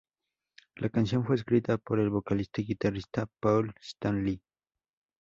La canción fue escrita por el vocalista y guitarrista Paul Stanley.